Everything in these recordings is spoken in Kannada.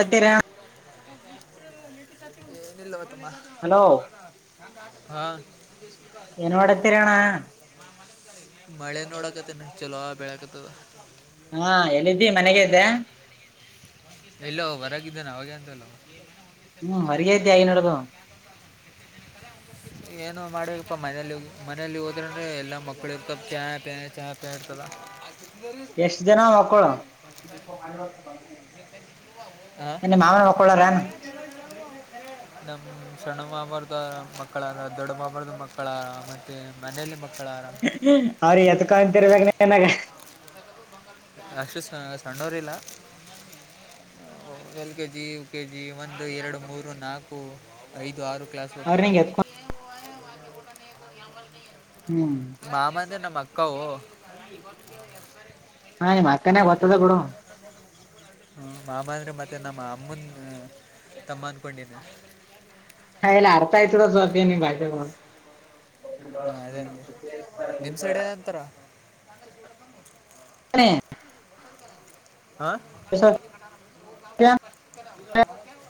ಅದಿರ ಏನಿಲ್ಲೋ ತಮ್ಮ ಹಲೋ ಹಾ [inaudible] ಏನ್ ಮಾಡತೀರಣ್ಣ ಮಳೆ ನೋಡಕತ್ತಿನ ಚಲೋ ಬೆಳಕತದ ಹಾ ಎಲ್ಲಿದ್ದೀ ಮನೆಗೆ ಇದ್ದ ಎಲ್ಲ ಹೊರಗಿದ್ದೇನೆ ಅವಾಗೆ ಅಂತಲ್ಲ ಹ್ಮ್ ವರಗತಯನೋಡ ಏನು ಮಾಡಬೇಕಪ್ಪಾ ಮನೇಲಿ ಮನೇಲಿ ಹೋದ್ರ್ರೆ ಎಲ್ಲಾ ಮಕ್ಳು ಇರ್ತ ಚಾ ಪ ಚಾ ಪೇ ಅಲ್ಲ [inaudible] ಎಷ್ಟು ಜನ ಮಕ್ಕಳು ಹಾಂ ನಿ ಮಾಮ ಒಕ್ಕಳ ರನು ನಮ ಸಣ್ಣ ಮಾಬಾರದ ಮಕ್ಕಳ ದೊಡ್ಡ ಮಾಬಾರದ ಮಕ್ಕಳ ಮತ್ತೆ ಮನೇಲಿ ಮಕ್ಕಳ ಮಕ್ಕಳ ಅವ್ರಿಗೆ ಎತ್ಕೊಂತಿರ್ಬೇಕ ನನಗ ನೆಸ ಸಿಸಿ ಸಣ್ಣೋರಿಲ್ಲ [unintelligible] L K G K G ಒಂದು ಎರಡು ಮೂರು ನಾಕು ಐದು ಆರು ಕೆ ಕ್ಲಾಸ್ ಅವ್ರ ಕೊಡ್ತಾರೆ ನಿಂಗ ಎತ್ಕೊ ಹ್ಮ್ ಮಾಮದ ನಮ್ಮಕ್ಕಾವು ಹಾ ಮಕ್ಕನೇ ಗೊತ್ತಿದೆ ಬಿಡು ಹ್ಮ ಮಾಮ ಅಂದ್ರೆ ಮತ್ತೆ ನಮ್ಮ ಅಮ್ಮನ್ ತಮ್ಮ ಅನ್ಕೊಂಡಿದೆ ಹಾ ಎಲ್ಲ ಅರ್ಥಯ್ತುರ ಸ್ ಅಧ್ಯ ನೀ ಭಾಷೆಗಳು [inaudible] ಹಾಂ ಅದೇ ಅಂದೆ ತಾಂಗ ಜೂಡ ತ [inaudible] ಹ [inaudible] ಹಾಂ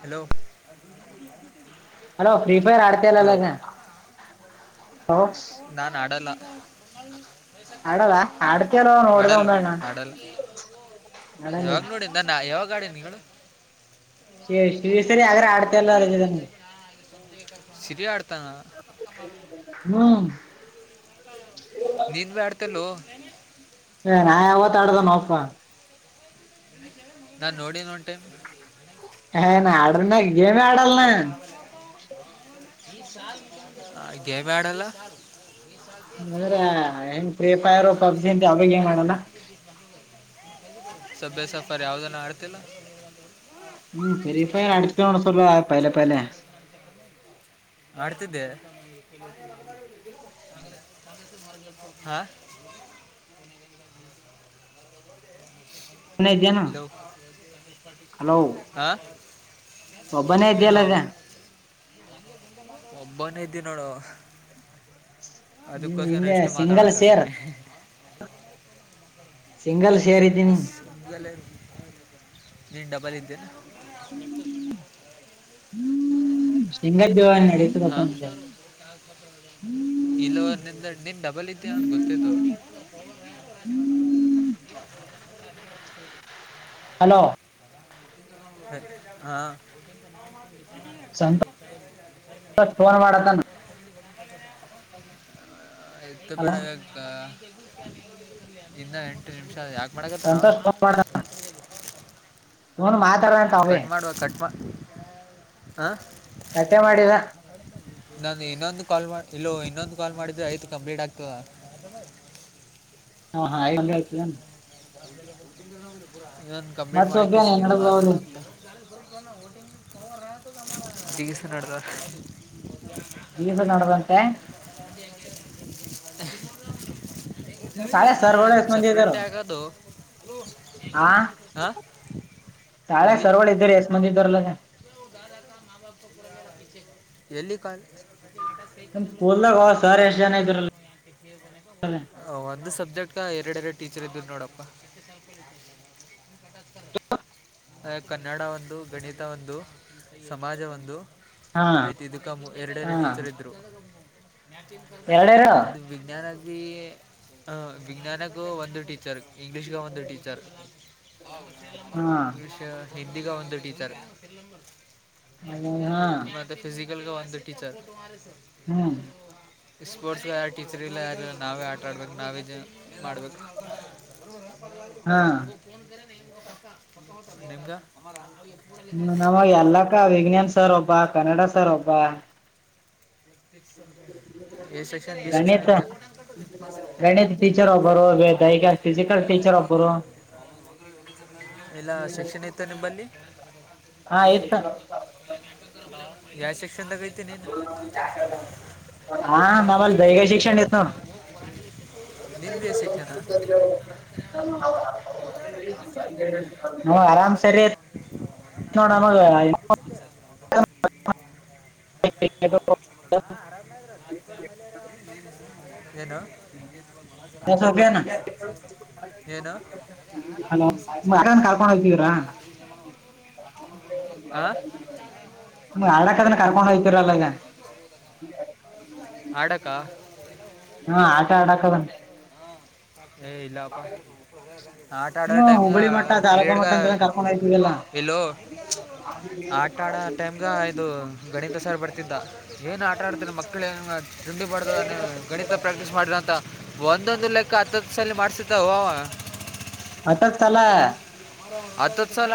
ಹಲೋ [inaudible] ಅಲೋ ಫ್ರೀಫೈರ್ ಆಡ್ತಲ್ಲ ಅಲ್ಲ ನಾನ್ ಅಡಲ್ಲ ಆಡಲ್ಲ ಆಡ್ತಾರೋ ನೋಡದ ಒಂದ್ಣ ಆಡಲ್ಲ ಯಾವಾಗ ನೋಡಿದ ನಾ ಯಾವಾಗ ಆಡಿ ಏಳು ಶ ಶ್ರೀ ಸರಿ ಹಾಗಗ್ರ ಆಡ್ತಲ್ಲದ ಸಿಬಿ ಆಡ್ತಂಗ ಹ್ಮ್ ನೀನ್ ಆಡ್ತಲ್ಲೋ ಏ ನಾ ಯಾವತ್ತ ಆಡದ ನೋಕ ನಾನು ನೋಡಿನು ಒನ್ ಟೈಮ್ ಹಏನ ಆಡ ನ ಗೇಮ ಆಡಲ್ಲ ನ ಹ ಗೇಮ ಆಡಲ್ಲ ಬ ಸಾಲತಿ ಅಂದ್ರ ಕಾನ ಹೆಂಗ್ ಫ್ರೀ ಫೈರ್ ಚಾಲ ಪಬ್ಜಿ ಅಂತ ಯಾವ್ದು ಗೇಮ್ ಚಾಲಸ ಆಡಲ್ಲ ಪ ಬೀ ಬಕ [inaudible] ಸಭ್ಯ ಸಫರ್ ಯಾವ್ದನ್ನ ಆಡ್ತಿಲ್ಲ ಹ್ಮ್ ಸರೀಫ ಅಡ್ತಲ್ ಆಡ್ತಿ [inaudible] ತಿದ್ದೆ ಹಾ [unintelligible] ಸುಮ್ನೆ ಇದ್ಯೇನು ಹಲೋ ಹಲೋ ಆ ಒಬ್ಬನೇ ಏನೋ ಇದ್ಯಲ್ಲ ಈಗ ಒಬ್ಬನೇ ಇದ್ದೇ ನೋಡು ನೀನ್ ಅದಕ್ಕೋಸ್ರ ಹಿಂದೆ ಎಷ್ಟು ಸಿಂಗಲ್ ಸೇರ್ ಮಾತಾಡಕಾದೀನನೆ ಸಿಂಗಲ್ ಸೇರ್ ಇದ್ದೀನಿ ಲ್ಲ [inaudible] ಈ ಡಬಲ್ ಇದ್ದೇನೆ ಸಿಗರೇಟ್ ಜೋರಾಗಿ ನಡಿತಿದ್ದಂತೆ ಇಲ್ಲ ನಿ ನಿನ್ ಡಬಲ್ ಇದ್ದ ಅವನ್ ಗೊತ್ತೇತ್ತು ಹ್ಮ್ [inaudible] [inaudible] ಹಲೋ ಹ ಹಾ [inaudible] [unintelligible] ಸಂತೋಷ್ ಫೋನ್ ಮಾಡತಾನ ಎತ್ತ ಹಲೋ ಬಡ [inaudible] ಇಿಂದ ಎಂಟು ನಿಮಿಷ ಯಾಕ [inaudible] ಮಗತ್ತ ನವು ಸಂತೋಷ್ ಫೋನ್ ಮಾಡ ಫೋನ್ ಮಾತಾಡಂತ ಅವೇ ಕಟ್ ಮಾಡುವ ಕಟ್ ಮಾಡ [inaudible] ಹ ಕಟ್ಟೆ ಮಾಡಿದ ನಾನು ಇನ್ನೊಂದು ಕಾಲ್ ಮಾಡ [inaudible] ಇಲ್ಲ ಇನ್ನೊಂದು ಕಾಲ್ ಮಾಡಿದ್ರೆ ಆಯ್ತು ಕಂಪ್ಲೀಟ್ ಆಗ್ತದ ಹಾ ಹಾ ಒಂದ್ರ ಆಯತ [unintelligible] ಇನ್ ಕಂಪ್ಲೀಟ್ ಮತ್ ಸೊಬ್ಬೇನೆ ಮಾಡಕ್ಕೆಸನ್ ನಡಬಹುದು ಮಾತಾಡಂತ [inaudible] ದಗಸ ನಡ್ತಾರೆ [unintelligible] ದೀಸ ನಡ್ದಂತೆ [unintelligible] ನಿಮ್ ಸಾಳೆ ನಿಮ ಸಪ್ರೇಟ ಆಗದು [unintelligible] ಹಾ ಶಳೆ ಎಲ್ಲಿ ಸರವಳ ಇ್ದರ ಎಸ್ ಮಂದ ತರಲ್ಲ [inaudible] ಎಲ್ಲಿ ಕಾಲ [unintelligible] ಬೋದಲಾಗ ಸಾರ [unintelligible] ಒಂದು ಸಬ್ಜೆಕ್ಟ್ ಎರಡೆರಡು ಟೀಚರ್ ಇದ್ದರು ನೋಡಪ್ಪ ಕನ್ನಡ ಒಂದು ಗಣಿತ ಒಂದು ಸಮಾಜ ಒಂದು ಹಾ ಆಯ್ತು ಇದಕ್ಕ ಹಾ ಎರಡೆರಡು ಟೀಚರ್ ಇದ್ರು ಎರಡೇರು ಒದು ವಿಜ್ಞಾನ ವಿಜ್ಞಾನಗೂ ಒಂದು ಟೀ ಟೀಚರ್ ಇಂಗ್ಲಿಷ್ ಉಂದು ಟೀಚರ್ ಹಾ ಇಂಗ್ಷ್ ಹಿಂದಿ ಉಂದು ಟೀಚರ್ ಟೀಚರ್ ಹ ಹಾ [inaudible] ಂದ ಟೀಚರ್ [inaudible] ಹ್ಮ್ ಸ್ಪೋರ್ಟ್ಸ್ ಯಾರ ಟೀಚರ್ ಇಲ್ಲ ಯಾರ ನಾವೇ ಆಟ ಆಡ್ಬೇಕು ನಾವ ಮಾಡ್ಬೇಕು ಹಾ [inaudible] ನಿಮ್ಗ ಹ್ಮ ನಮಗೆ ಎಲ್ಲಕ್ಕ ವಿಜ್ಞನ್ ಸರ್ ಒಬ್ಬ ಕನ್ನಡ ಸರ್ ಒಬ್ಬ ಎ ಸೆಕ್ಷನ್ ಬಿ ಸಕ್ಷನ್ ಗಣಿತ ಇದೇನು ಗಣಿತ ಟೀಚರ್ ಒಬ್ಬರು ದೈಹಿಕ ಫಿಸಿಕಲ್ ಟೀಚರ್ ಒಬ್ಬರು ಇಲ್ಲ ಶಿಕ್ಷಣ ಇತ್ತು ನಿಂಬಲ್ಲಿ [inaudible] ಹಾ ಇ ಯಾಯ ಸಿಕ್ [unintelligible] ಹಾ ಮಾಮಲೆ ಬೈಗ ಶಿಕ್ಷಣ ದತ ನಿಂದು ಎ ಸೆಕ್ಷನ ನ [inaudible] [unintelligible] ಹ ಆರಾಮ್ ಸರಿ ನೋಡ [inaudible] [unintelligible] ಏನು [inaudible] ಬ ಜ ಸೊಬ್ಯಾನ ಸಾ ಸಾಲ ಸಾ ಹಲೋ ಯಾರನ್ ಸ ಕರ್ಕೊಂಡ್ ಹೋಗ್ತಿದೀರಾ [inaudible] ಆ [unintelligible] ಮ ಆಲಕದನ್ನ ಕರ್ಕೊಂಡ ಹೋಗ್ತರಲ್ಲ ಈಗ [unintelligible] ಅಡಕ್ಕ ಹಾ ಆಟ ಆಡಾಕದಂಟಂತೆ [inaudible] ಏ ಇಲ್ಲಪ್ಪ [inaudible] ಆಟ ಆಡೋ ನೀನು ಟೈಮಗ ಹುಬ್ಬಳಿ ಮಟ್ಟ ತಾಲೂಕಾ ಮಟ್ಟ ಪೀರಿಯಡ್ಗೆ ಅಂತ ಕರ್ಕೊಂಡ್ ಹೋಗ್ತಿದಲ್ಲ ಎಲ್ಲೋ [inaudible] ಆಟ ಆಡ ಟೈಮ್ಗ ಇದು ಗಣಿತ ಸರ್ ಬರ್ತಿದ್ದ ಏನ್ ಆಟ [inaudible] ಮಾತಾರೆ ಮಕ್ಕಳು ಡಿ ಮಾಡ ಗಣಿತ ಪ್ರಾಕ್ಟೀಸ್ ಮಾಡಿರಂತ ಒಂದೊಂದು ಲೆಕ್ಕ [inaudible] ಅಕ್ಕತ್ತದ ಸಲ್ಲಿ ಮಾಡ್ಸಿದ್ದ ಅವವ [inaudible] ಅಟಕ್ ತಲ [unintelligible] ಹತ್ತುತ್ ಸಲ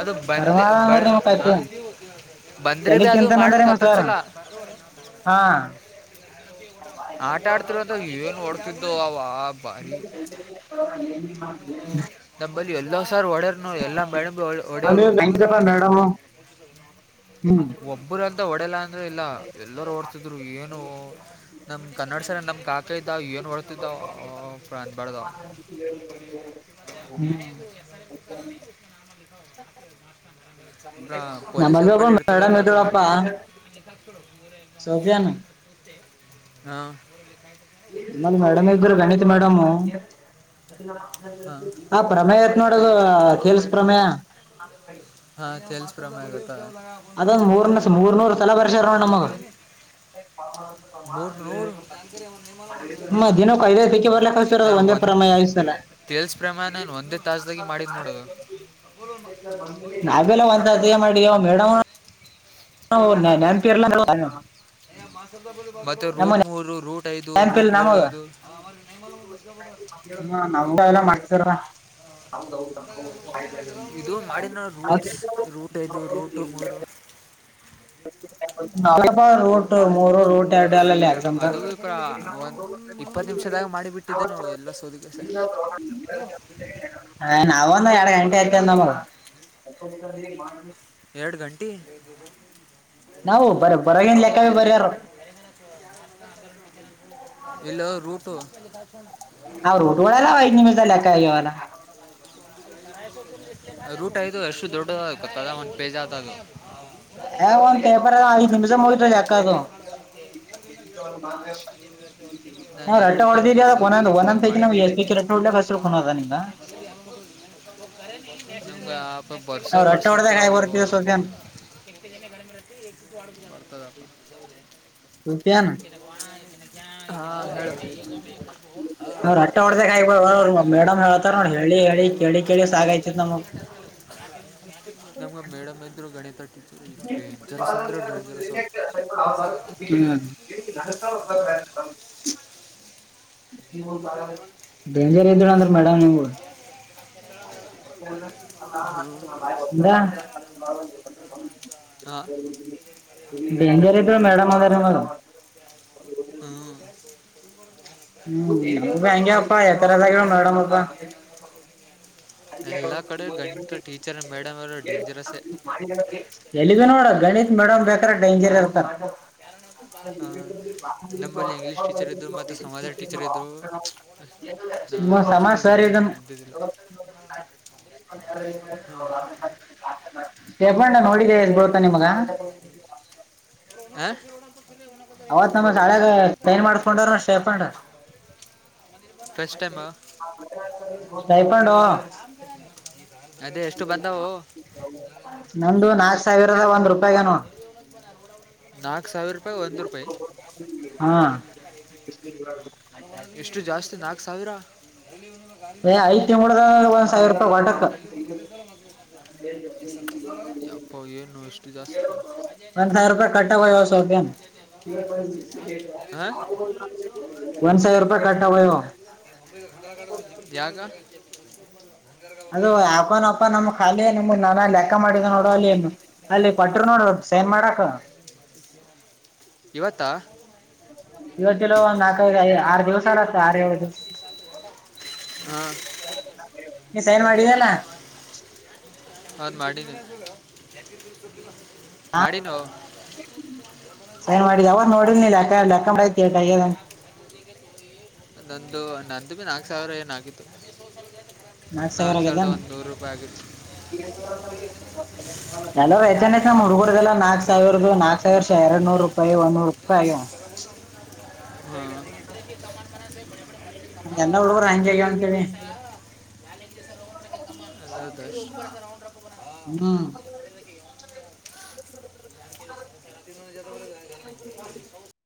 ಅದು ಕರ್ಮ ಬಂದ್ ಅಂದ್ರ ನಿಮ್ ಕತಿ ಬಂದ್ರೆ ತಲಿ ಭ ಅದು ತಿಂತಾನ ಅಂದ್ರ ಮಾಡಬೇಕು ನಿಮ್ ಸರ್ ಹತ್ತತ್ಸಲ ಹಾ ಆಟ ಆಡ್ತಿರಂತ ಏನ್ ಓಡ್ತಿದ್ದು ಅವ ಭಾರಿ [inaudible] ನಲ್ಲಿ ಎಲ್ಲೋ ಸರ್ ಹೊಡರ್ನು ಎಲ್ಲಾ ಮ್ಯಾಡ ಹೊಡೆಯರು ಮೇಡಮ್ ಹ್ಮ್ ಒಬ್ಬರುಂತ ಹೊಡೆಲ್ಲ ಅಂದ್ರೆ ಇಲ್ಲ ಎಲ್ಲರೂ ಓಡ್ತಿದ್ರು ಏನು ನಮ್ ಕನ್ನಡ ಸರ ನಮ್ ಕಾಕ ಇದ್ದಾವ ಏನ್ ಹೊರ್ತಿದ್ದಾವ ಅಂದಬಾರ್ದಾವ ಹಾ ಪ್ರ ನಮಗ ಒಬ್ಬ ಮೇಡಮ್ ಇದರುಪ್ಪಾ ಹಾ ಮಮ್ಮಲ್ಲಿ ಮೇಡಮ್ ಇಗರು ಗಣಿತ ಮೇಡಮ ಹಾಂ ಹ ಪ್ರಮೇಯ ಆತ್ ನೋಡದು ಕೆಲ್ಸ ಪ್ರಮೇಯ ಹಾಂ ಚೇಲ್ಸ್ ಪ್ರಮ ಆಗುತ್ತ ಅದೊಂದ್ ಮೂರ್ನ ಮೂರ್ನೂರ್ ಸಲ ಬರ್ಸ್ಯಾರ ನಮಗ ಮೂ ನ ಹ್ಮ ದಿನಕ್ ಐದೈದ್ ಪಿಕಿ ಬರ್ಲಕ್ ಕಳ್ಸಿರೋದು ಒಂದೇ ಒಂದ ಪ್ರಮೇಯ ಐದ್ ಸಲ ತಿಲ್ಸ ಪ್ರಮಾಣನ್ ಒಂದೇ ತಾಸ್ದಾಗಿ ಮಾಡಿದ್ ನೋಡದು ನಾವೆಲ್ಲ ಒಂತ ಅದೇ ಮಾಡಿದ ಮೇಡಮ್ ನೆನಪಿರ್ಲ ಮತ್ತೆ ನಮ್ಮ ರೂಟ್ ಮೂ ರೂಟ್ ಇದು ರೂಟ್ ಏಳು ಇದು ಹ ನಾವಗ ಎಲ್ಲ ಮಾಡ್ಸರ ಹೌ ಇದು ಮಾಡಿನ ರೂಟ್ಸ್ ರೂಟ್ ಇದು ಹೌದು ರೂಟು ಮೂರು ನಳಬ ರೋಟ ಮೋ ಅದು ಒಂದ ಇಪ್ಪತ್ತು ನಿಮಿಷದಾಗ ಮಾಡಿ ಬಿಟ್ಟಿದ್ದೆ ನೋ ಎಲ್ಲ ಸೋದಿಗೆ ಹ ನಾವ ಎರಡು ಗಂಟೆ ಆಯತಂದ ಮಗ ಎರಡು ಗಂಟೆ ನಾವು ಬರ ಬರಗಿಲ್ಲಲೆಕ್ಕ ಬರಾರ ಇಲ್ಲ ರೂಟು ಹ ರೋಟ್ ಒಡಲ್ಲ ಐದ್ ನಿಮಿಷ ಲೆಕ್ಕ ಆಗ್ಯವಲ್ಲ ರೂಟ್ ಆಯ್ತು ಅಷ್ಟು ದೊಡ್ಡದದ ಒಂದ ಪೇಜ್ ಆತದು ಹ ಲಗಳು ಲೆಕ್ಕ ಅದು ನಾಾನ ನಾವ್ ರಟ್ಟ ಎರಡು ಹೊಡೆದಿದ್ವಿ ಕಲ್ತೆಗೆ ಅದಕ್ ಹತ್ತು ಒಂದೊಂದ್ ನಿಮಿಷದಾಗ ಒಂದೊಂದ್ ಪೈಕಿ ಮಾಡೇ ನಮ್ಗೆ ಎಸ್ ಪಿ ಬಿಟ್ಟಿದ್ದೆ ರಟ್ಟ ಹೊಡ್ಲಕ್ ಹಸರು ಕುನದ ನಿಂಗ ನಮ್ಗೆಪ ಬರ್ಸೆ ನಾವ್ ರಟ್ಟ ಹೊಡ್ದಾಗ ಬರ್ಸತ್ತರ್ ಹಾಯ್ ಅವ್ರು ಬರ್ತೀವಿ ಸೋಫಿಯಾನ್ ರ್ತದ [unintelligible] [unintelligible] ಅವ ಅಷ್ಟೆ ಹೊಡದ ಅವ ಮೇಡಮ್ ಹೇಳ್ತಾರ ನೋ ಹೇಳಿ ಹೇಳಿ ಕೇಳಿ ಕೇಳಿ ಸಾಗೈತಿತ್ ನಮಗ್ ನಮ್ಗೆ ಹ ಮೇಡಮ್ ಇದ್ರು ಗಣಿತ ಟೀಚ ಡೇಂಜರಸ್ ಅಂದ್ರೆ ಡೇಂಜರಸ್ ಅವರು ನನಕ ನೀತ ಬ ಜಮ್ಮನ್ ಡೇಂಜರ್ ದ [unintelligible] [unintelligible] ಹಾಂ ಎಂದ ಮೇಡಮ ಅಂದ ಮೇಡ ಹ್ಮ ಹ್ಮ್ ಹೆಂಗಗೆಪ್ಪ ಯ ತರದಾಗ ಮಾಡಡಮಪ್ಪ ಅದಾರ ಎಲ್ಲ ಕಡೆ ಗಣಿತ ಟೀಚರ್ ಮೇಡಮ್ ಅವರು ಡೇಂಜರಸ್ಸೇ ಎಲ್ಲಿಗ ನೋಡ ಗಣಿತ್ ಮೇಡಮ್ ಬೇಕಾರ ಡೇಂಜರ್ ಇರ್ತಾರ ನಮ್ಮಲ್ಲಿ ಇಂಗ್ಲೀಷ್ ಟೀಚರ್ ಇದ್ದರು ಮತ್ತು [unintelligible] ಸಮಾಜ ಟೀಚರ್ ಇದ್ದರು ನಾ ಮ ಸಮಾ ಅಷ್ಟು ಸರಿಗ ಡೇಂಜರ್ಸ್ [unintelligible] ಇದ್ದಿದ್ದಿಲ್ಲ ಹಾಂ ಹೇಬಣ್ಣ ನೋಡಿದ್ದ ಎಸ್ ಬಳ್ತಾ ನಿಮಗ ಹಾಂ ಅವತ್ ನಮ ಶಾಳಾಗ ಸೈನ್ ಮಾಡಸ್ಕೊಂಡ್ರ ಸೇಫಂಡ್ರ ಫಸ್ಟ್ ಟೈಮ್ ಸೈಫಾಡ ಅದೇ ಎಷ್ಟು ಬಂದವು ನಂದು ನಾಕು ಸಾವಿರದ ಒಂದ್ ರೂಪಾಯಿ ನಾಕ್ ಸಾವಿರ ರೂಪಾಯಿ ಒಂದು ರೂಪಾಯಿ ಹಾ ಎಷ್ಟು ಜಾಸ್ತಿ ನಾಕ್ ಸಾವಿರ [inaudible] ಏ ಐದು ತಿಂಗಡದ ಒಂದ್ ಸಾವಿರ ರೂಪಾಯಿ ವಟಕ್ ಅಪ್ಪ ಏನು ಎಷ್ಟು ಜಾಸ್ತಿ ಒಂದ್ ಸಾವಿರ ರೂಪಾಯಿ ಕಟ್ಟಗೋಯವ ಸೋಫಿಯನ್ ಹ ಒನ್ ಸಾವಿರ ರೂಪಾಯಿ ಕಟ್ಟಾವ ಯಾಗ ಅದು ಯಪನಪ ನಮ್ ಖಾಲಿ ನಮ ನನ ಲೆಕ್ಕ ಮಾಡಿದ ನೋಡ ಅಲ್ಲಿ ಏನು ಅಲ್ಲಿ ಕೊಟ್ಟರು ನೋಡ ಸೈನ್ ಮಾಡಕ ಹ ಇವತ್ತಲ ಒಂದ್ ನಾಕವ ಆರು ದಿವ್ಸ ಆತ ಆರು ಯಾವ ದಿವಸ ಹಾಂ ನೀ ಸೈನ್ ಮಾಡಿದಲ್ಲ ಹೌದ್ ಮಾಡಿದ್ದಿ ಹಾ ಸೈನ್ ಮಾಡ ಅವಾಗ ನೋಡಿಲ್ ನೀಕ್ಕ ಲೆಕ್ಕಐತಿದ ನಂದು ನಂದು ಭ ನಾಕು ಸಾವಿರ ಏನ ಆಗಿತ್ತು ನಾಲ್ಕು ಸಾವಿರ ಆಗಿದ ಎಕ್ಸಾಮ್ ಆಯ್ತಾ [unintelligible] ಲ್ಲಾ ನಾಕ್ ಸಾವಿರ ನಾಕ್ ಸಾವಿರ್ ಎರಡ್ ನೂರು ರೂಪಾಯಿ ಒನ್ ನೂರು ರೂಪಾಯಿ ಹ ಕಮಂಡ [unintelligible] ಅಂದ್ರೆ ಅದಾದಷ್ಟು ಹ್ಮ [unintelligible] ಹೊರ